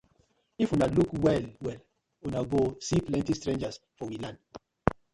If una luuk well well uno go see plenty strangers for we land.